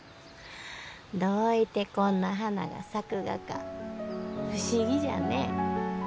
どういてこんな花が咲くがか不思議じゃね。